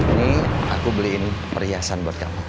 ini aku beliin perhiasan buat kamu